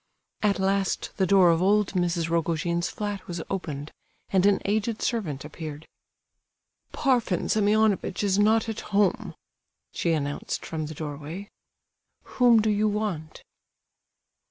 At last the door of old Mrs. Rogojin's flat was opened, and an aged servant appeared. "Parfen Semionovitch is not at home," she announced from the doorway. "Whom do you want?"